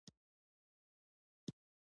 افغانستان په نړۍ کې د ځمکه له امله شهرت لري.